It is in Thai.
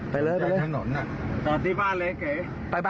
เข้าค่ายด้วยไป